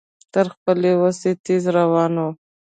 تر خپلې وسې تېز روان و.